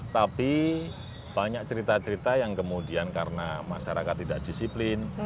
tapi banyak cerita cerita yang kemudian karena masyarakat tidak disiplin